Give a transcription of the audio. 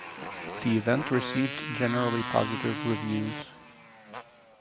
The event received generally positive reviews.